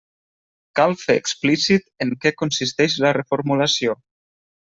Cal fer explícit en què consisteix la reformulació.